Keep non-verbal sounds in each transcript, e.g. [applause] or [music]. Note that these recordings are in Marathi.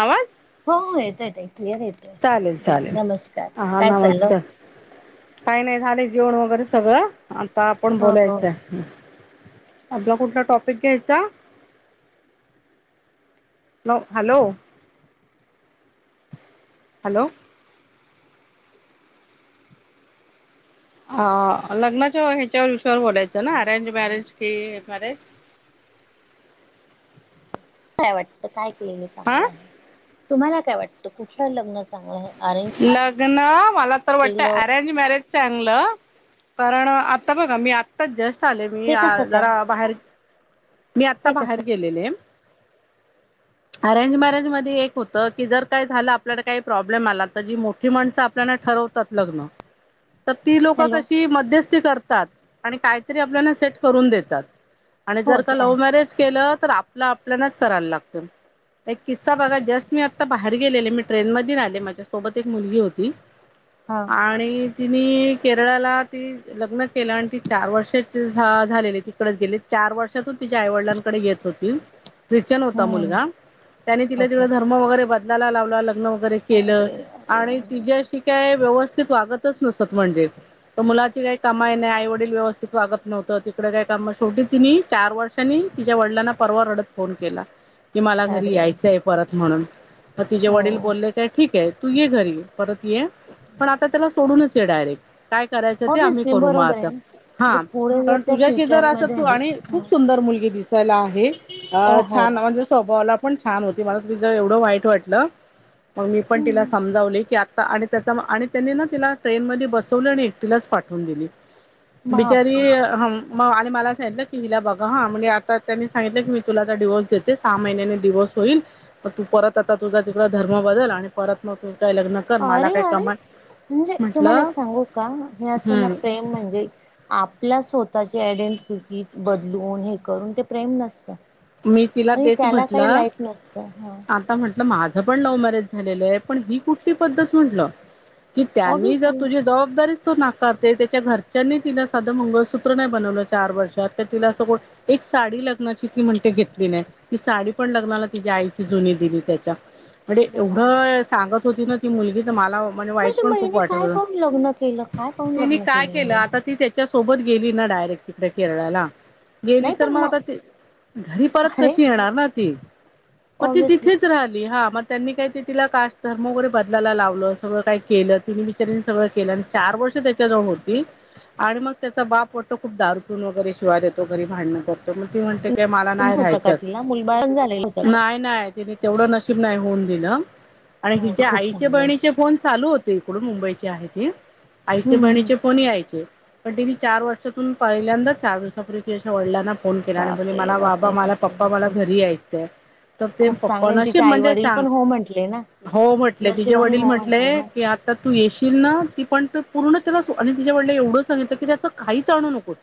आवाज हो हो येत येत आहे क्लिअर येत. चालेल चालेल ह हा चाललं नमस्कार काही नाही झाले जेवण वगैरे सगळं आता आपण हो हो बोलायचं. आपला कुठला टॉपिक घ्यायचा हॅलो हॅलो हॅलो लग्नाच्या ह्याच्यावर विषयावर बोलायचं ना अरेंज मॅरेज कि हे मॅरेज काय काय च हा तुम्हाला काय वाटतं कुठलं लग्न चांगले अरेंज लग्न मला तर वाटतं केलं अरेंज मॅरेज चांगलं कारण आता बघा मी आ जस्ट आले मी ते कसं काय जरा बाहेर मी आत्ता ते कसं बाहेर गेलेले. अरेंज मॅरेज मध्ये एक होतं की जर काय झालं आपल्याला काय प्रॉब्लेम आला तर जी मोठी माणसं आपल्याला ठरवतात लग्न तर ती लोक हॅलो कशी मध्यस्थी करतात. आणि काहीतरी आपल्याला सेट करून देतात आणि हो जर का ते लव्ह आहेच मॅरेज केलं तर आपलं आपल्यालाच करायला लागत. एक किस्सा बघा जस्टी आता बाहेर गेलेले मी ट्रेन मध्ये आले माझ्यासोबत एक मुलगी होती हा आणि तिने केरळाला ती लग्न केलं आणि ती चार वर्षाची झा झालेली तिकडंच गेले. चार वर्षातच तिच्या आईवडिलांकडे येत होतील. ख्रिश्चन होता हम्म मुलगा त्यानी तिला ओके तिव धर्म वगैरे बदलायला लावला लग्न वगैरे केलं अरे अरे आणि अरे तिच्याशी काय व्यवस्थित वागतच नसत म्हणजे मुलाची काही कामाई नाही आईवडील व्यवस्थित वागत नव्हतं तिकडे काही काम शेवाटी तिनि चार वर्ष वर्षांनी तिच्या वडिलांना परवा रडत फोन केला की मला अरे घरी अरे यायचंय परत म्हणून तिचे हो वडील बोलले ठीक आहे तू ये घरी परत ये पण आता त्याला सोडूनच ये डायरेक्ट काय करायचं ते आम्ही ऑब्विसली करू मग बरोबर आहे आता. ना हा जर पुढे जर पण त्या तुझ्याशी जर असं फ्युचरमध्ये तू म्हणजे आणि खूप सुंदर मुलगी दिसायला आहे. अ ओ हो छान म्हणजे स्वभावला पण छान होती मला तु जर एवढं वाईट वाटलं. मग मी पण तिला समजावले की आता आणि त्याचा आणि त्यांनी ना तिला ट्रेन मध्ये बसवलं आणि एकटिलाच पाठवून दिली. बिचारी बापरे हम मग आणि मला सांगितलं की हिला बघा म्हणजे आता त्यांनी सांगितलं की मी तुला ज डिवोर्स देतस. सहा महिन्याने दिवस होईल मग तू परत आता तुझा तिकड धर्म बदल आणि परत मग तुझ काही लग्न कर मला अरे काय अरे! कमा म्हणजे तुम्हाला म्हटलं एक सांगू का हे असताना हम्म प्रेम म्हणजे आपल्या स्वतःचे आयडेंटिटी बदलून हे करून ते प्रेम नसत. मी तिला आणि तेच त्याला काही म्हटलं लाईट नसतं हा. आता म्हटलं माझं पण लव्ह मॅरेज झालेलं आहे पण ही कुठली पद्धत म्हटलं कि त्यांनी जर ऑब्विसली तुझी जबाबदारी नाकारते त्याच्या घरच्यांनी तिला साधं मंगळसूत्र नाही बनवलं चार वर्षात तर तिला असं गोठ एक साडी लग्नाची ती म्हणते घेतली नाही ती साडी पण लग्नाला तिच्या आईची जुनी दिली त्याच्या म्हणजे बापरे एवढं सांगत होती ना ती मुलगी तर मला म्हणे वाईट म्हणजे पण खूप महिने वाटत काय पाहून लग्न केलं काय पाहून तिने लग्न काय केलं हिने आता ती त्या च्या सोबत गेली ना डायरेक्ट तिकडे केरळला गेली नाही तर पण मग आता घरी परत अरे कशी येणार ना ती मग ती ऑब्विसली तिथेच राहली हा मग त्यांनी काही ते तिला कास्ट धर्म वगैरे बदलायला लावलं सगळं काही केलं तिन बिचारारीनी सगळं केलं आणि चार वर्ष त्याच्याजवळ होती. आणि मग त्याचा बाप वाटतं खूप दारू पिऊन वगैरे शिवाय देतो घरी भांडणं करतो मग ती म्हणते ते मला नाही होतं का राहायचं तिला मुलबाळ पण झालेलं होतं का? नाही-नाही तेवढं नशीब नाही होऊन दिलं आणि हो ते हिच्या खूप आईचे चांगलं आहे बहिणीचे फोन चालू इकडून मुंबईचे आहे ती आईचे हम्म हम्म. बहिणीचे कोणी यायचे. पण तिने चार वर्षातून पहिल्यांदाच चार दिवसापूर्वी वडिलांना फोन केला. बोलली बापरे मला बाबा बापरे मला बापरे पप्पा मला बापरे घरी यायचंय तर ते खूप पप्प न चांगले अशी तिचे आई म्हणजे वडील सांग पण हो म्हंटले ना हो म्हटले तिचेे नशिबाने वडील हो म्हटले की ना की आता तू येशील ना ती पण तर पूर्ण त्याला आणि तिच्या वडिलांनी एवढं सांगितलं की त्याचं काहीच आणू नकोत.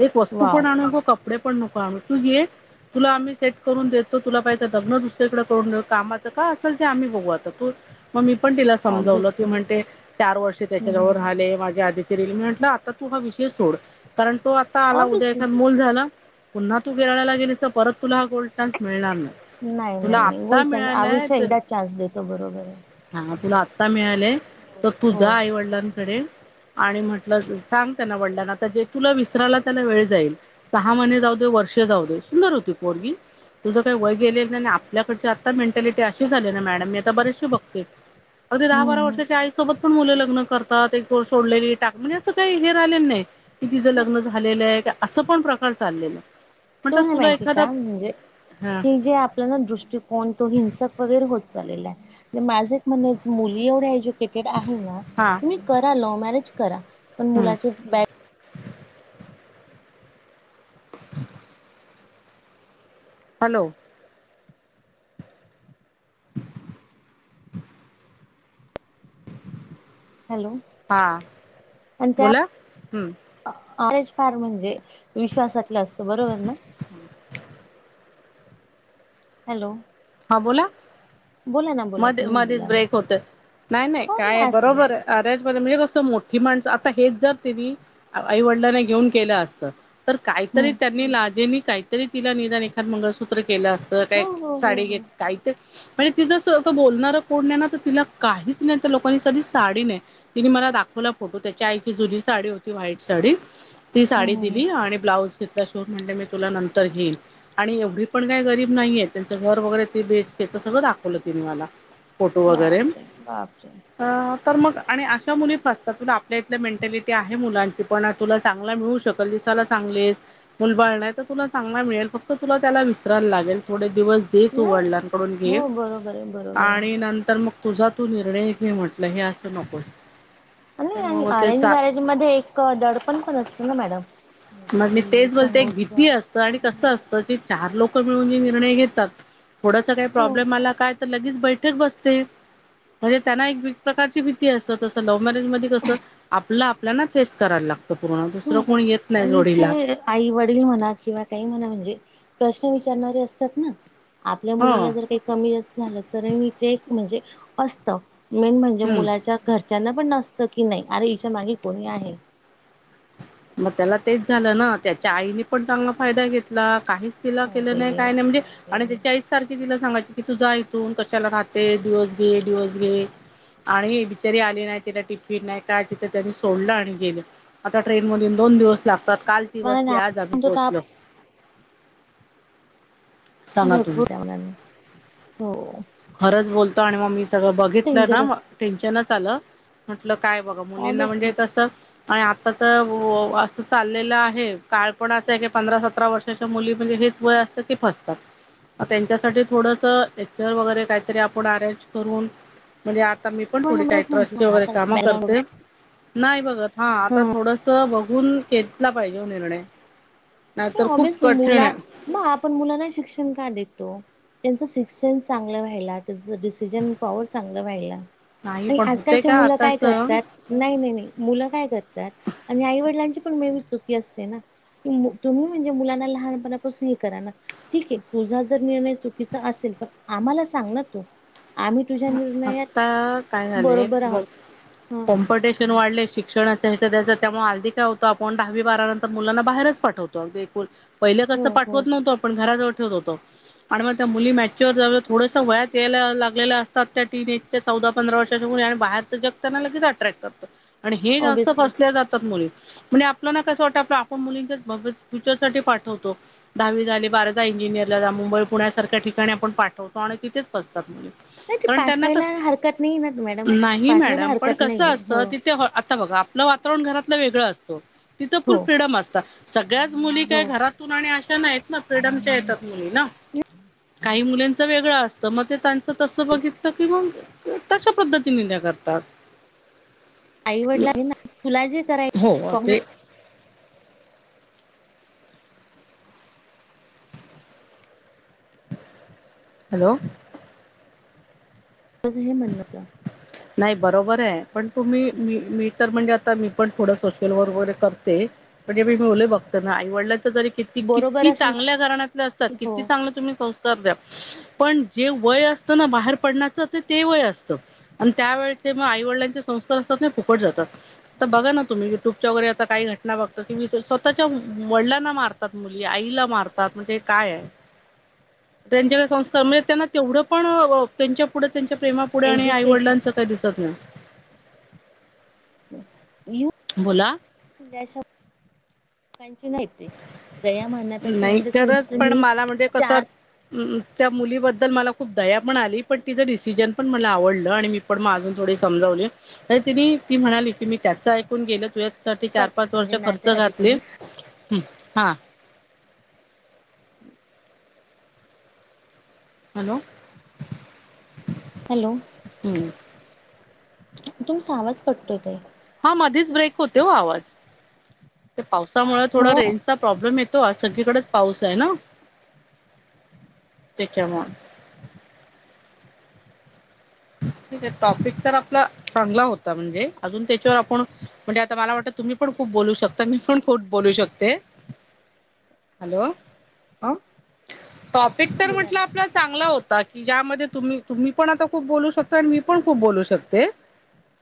एक वस्तू वाव पण आणू नको कपडे पण नको आणू तू ये तुला आम्ही सेट करून देतो तुला पाहिज लग्न दुसरीकडे करून कामाचं का असल ते आम्ही बघू आत मग मी पण तिला समजवलं की ऑब्विसली म्हणते चार वर्ष त्याच्या हम्म जवळ हम्म राहाले माझ्या आ करील मी म्हटलं आता तू हा विषय सोड कारण तो आता आला उद्या एख ऑब्विसली मूल झाला पुन्हा तू केरळला गेली तर परत तुला हा गोल्ड चान्स मिळणार नाही. तुला नाही-नाही नाही आत्ता गोल्ड चान्स, आयुष्य मिळालाय एकदाच चान्स देतो बरोबर आहे. हा तुला आत्ता मिळालेय हो तर तुझा हो. आई वडिलांकडे आणि म्हटलं सांग त्यांना वडलाणा आता जे तुला विसरायला त्याला वेळ जाईल सहा महिने जाऊ वर्ष जाऊ सुंदर होती पोरगी तुझं काही वय गेले नाही आपल्याकडच्या आता मेंटॅलिटी अशी झाली ना मॅडम मी आता बरचशी बघते अगदी दहा हम्म बारा हम्म. वर्षाच्या आई सोबत पण मुलं लग्न करतात, एको सोडलेली टाक म्हणजे असं काही हे राहिलेल नाही कि तिचं नाही लग्न झालेलं आहे का असं पण प्रकार चाललेलं तुमला माहिती का? म्हणजे हा ही जे आपला दृष्टिकोन तो हिंसक वगैरे होत चालला आहे माझ एक म्हनंन मुली एवढ्या एज्यु [unintelligible] आहे ना हा तुम्ही करा लव मॅरेज करा पण मुलाचं बॅक [unintelligible] हॅलो? हॅलो? हा बोला हम्म. अरेंज मॅरिज म्हणजे विश्वासातलं असतं बरोबर ना? [unintelligible] हॅलो? हा बोला बोला ना बोला मध तुम्ही मध्येच बोला ना ब्रेक होत नाही-नाही हो काय आहे नाही असू दे बरोबर आहे अरेज ब म्हणजे कसं मोठी माणसं आता हेच जर तिनी आईवडिलांना घेऊन केलं असतं तर हम्म काहीतरी त्यांनी लाजेनी काहीतरी तिला निदान एखाद मंगळसूत्र केलं असतं हो काय हो हो साडी हो घेत काही ते म्हणजे ति असं बोलणार कोण नाही ना तर तिला काहीच नाही त्या लोकांनी साधी साडी नाही तिने मला दाखवला फोटो त्याच्या आईची जुनी साडी होती व्हाईट साडी ती हम्म साडी हम्म दिली आणि ब्लाउज तिथला शिव म्हण मी तुला नंतर घेईन आणि एवढी पण काय गरीब नाहीये त्यांचं घर वगैरे थ्री बीएचके त्याच सगळं दाखवलं ति मला फोटो वगैरे बापरे बापरे अं तर मग आणि अशा मुली फसतात तुला आपल्या इथल्या मेंटॅलिटी आहे मुलांची पण तुला चांगला मिळू शकल दिसायला चांगलियेस मुलबाळ नाही तर तुला चांगला मिळेल फक्त तुला त्याला विसरायला लागेल थोडे दिवस दे तू नाही वडिलांकडून घे, हो बरोबर आहे बरोबर आहे आणि नंतर मग तुझा तू निर्णय घे म्हटलं हे असं नकोस आणि तर आणि मग ते अरेंज चा मॅरेज मध्ये एक दडपण पण असतं ना मॅडम म्हणजे मग मी कि तेच बोलते एक समोरच हो भीती असत आणि कसं असत चार लोक मिळून जे निर्णय घेतात थोडस काही हो प्रॉब्लेम आला काय तर लगेच बैठक बसते. म्हणजे त्यांना एक प्रकारची भीती असत तसं लव्ह मॅरेज मध्ये कसं आपलं आप आपल्याला ना फेस करायला लागतं पूर्ण दुसरं हो. कोण येत नाही आणि जोडीला इथे आई वडील म्हणा किंवा काही म्हणा म्हणजे प्रश्न विचारणारे असतात ना आपल्या ह मुलीला जर हम्म काही कमी-जास्त झालं तर ते म्हणजे असत. मेन म्हणजे मुलाच्या घरच्यांना पण नसतं की नाही अरे हिच्या मागे कोणी आहे मग त्याला तेच झालं ना त्याच्या आईने पण चांगला फायदा घेतला. काही तिला केलं नाही अरे काय नाही म्हणजे आणि अरे त्याची आई सारखी तिला सांगायची कि तू जा इथून कशाला राहते डिओस घे-डीओस घे आणि ही बिचारी आले नाही, त्याला टिफिन नाही काय तिथं त्यांनी सोडलं आणि गेलं ट्रेनमधून दोन दिवस लागतात काल ती मला बसली ना आज आम्ही म्हणतो तर पोहोचलो आपण सांगा तुम्ही भरपूर ठवणार [unintelligible] नाही हो खरंच बोलतो आणि मग मी सगळं बघितलं ना डेंजरस टेन्शनच आलं. म्हटलं काय बघा मुलींना म्हणजे ऑबियसली तसं आणि आता तर असं चाललेलं आहे काळ पण असं आहे की पंधरा सतरा वर्ष च्या मुली म्हणजे हेच वय असतं ते फसतात, त्यांच्यासाठी थोडस वगैरे काहीतरी आपण अरेंज करून म्हणजे आता मी पण मला थोडी काही बरेच ट्रस्टची म्हटलं वगैरे आता कामं बॅकग्राउंड करते. नाही बघत हा आता वगैरे थोडस बघून घेतला पाहिजे निर्णय नाही तर खूप ऑबियसली कठीण मुला आहे. मग आपण मुलांना हे शिक्षण का देतो? त्यांच सिक्स सेन्स चांगलं व्हायला, त्यांच डिसिजन पॉवर चांगला व्हायला. नाही आणि पण होते आजकालच्या का मुलं काय आताच करतात नाही नाही नाही मुलं काय करतात आणि आईवडिलांची पण मे बी चुकी असते ना की, तुम्ही म्हणजे मुलांना लहानपणापासून हे करा ना ठीक आहे तुझा जर निर्णय चुकीचा असेल पण आम्हाला सांग ना तू आम्ही तुझ्या निर्णयात आत्ता काय झालय बरोबर बग आहोत. ह शिक्षण वाढले शिक्षण त्या त्यामुळे हल्ली काय होतं आपण दहावी बारा नंतर मुलांना बाहेरच पाठवतो. पहिलं हो कसं हो पाठवत नव्हतो. - पण घराजवळ ठेवत होतो, आणि मग त्या मुली मॅच्युअर झाल्यावर थोडस वयात यायला लागलेला अस तात टीनेजच्या चौदा पंधरा वर्षाच्या वय आणि बाहेरच जग त्यांना लगेच अट्रॅक्ट करत. आणि हे जास्त ऑबियसली फसल्या जातात मुली म्हणजे आपल्याला कसं वाटतं आप आपण मुलींच्या भवी- फ्युचर साठी पाठवतो. दहावी झाली बारावी झाली इंजिनियरला जा मुंबई पुण्यासारख्या ठिकाणी आपण पाठवतो आणि तिेथेच फसतात. नाही ते पण त्यांना, पाठवायला हरकत नाही ना मॅडम नाही पाठवायला मॅडम पण हरकत कस नाहीये असत हो ते आता बघा आपलं वातावरण घरातलं वेगळं असतो तिथं हो फुल फ्रीडम असता. सगळ्याच मुली हो का घरातून आणि अशा नाहीत. फ्रीडमच्या येतात मुली ना काही मुलींच वेगळं असतं मग ते त्यांच तस बघितलं कि मग तशा पद्धतीने न करतात. आई-वडिलांनी ना तुला जे हो करायचं ते हॅलो माझं हे म्हणण होत. [unintelligible] नाही बरोबर आहे पण तुम्ही मी मी तर म्हणजे आता मी पण थोडं सोशल वर्क वगैरे करते म्हणजे मीी मुले बघतो ना आईवडल्याच जरी कि बरोबर किती असेल चांगल्या कारणले असतात हो किती चांगलं तुम्ही संस् द्या पण जे वय असतना बाहेर पडण्याच ते ते वेय असतं आणि त्यावेेळेचे मग आई वडिलांचे संस्कार असतात ना फुकट जातात आता बघा ना तुम्ही युट्यूबच्या वगैरेता काही घटना बघता कि स्वतःच्या वडिलांना मारतात मुली आईला मारतात म्हणजे काय आहे त्यांच्या काडे संस्कारा म्हणजे त्यांना तेवढं पण त्यांच्या पुढं त्यांच्या प्रेमाप पुढे आणि आई एज्युकेशन वडलांचं काही दिसत नाही ये बोला जयस नाही दया म्हणण्यापेक्षा नाही इन द सेन्स करत पण तुम्ही मला म्हणजे कसं चार त्या मुलीबद्दल मला खूप दया पण आली पण तिचं डिसिजन पण मला आवडलं आणि मी पण मग अजून थोडी समजवले तर तिने ती म्हणाली की मी त्याच ऐकून गेलं तू साठी चार पाच वर्ष म्हणजे खर्च नात्यासाठी घातली तुम्ही हा हॅलो हॅलो हम्म तुम सावच पटतोय का हा माधीच ब्रेक होते हो आवाज ते पावसामुळे थोडा हो रेंज प्रॉब्लेम येतो आ सगळीकडेच पाऊस आहे ना त्याच्याग ठीक आहे टॉपिक तर आपला चांगला होता म्हणजे अजून त्याच्यावर आपण म्हणजे आता मला वाटतं तुम्ही पण खूप बोलू शकता मी पण खूप बोलू शकते हॅलो हा टॉपिक तर बोला म्हटलं ना आपला चांगला होता कि ज्यामध्ये तुम्ही तुम्ही पण आता खूप बोलू शकतो आणि मी पण खूप बोलू शकते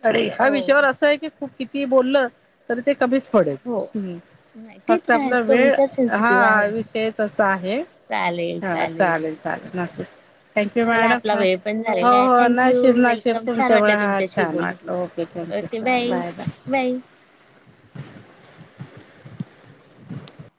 अ ह्या हो विषयावर अस क खूप किती बोलल तरी ते कमीच पडेल् हो नाही तेच फक्त आपला राहायच तो वेळ विषय हा सेन्सिटिव्ह आहे विषयच असा आहे हा चालेल चालेल न थँक्यू चला मॅडम आपला हा वेळ पण हो झालेला आहे हो थँक्यू नाशिफ नाशिफ वेलकम छान तुमच्यामुळे वाटलं हा तुमच्याशी छान बोलून वाटलं ओके थँक्यू बा बाय बाय [unintelligible]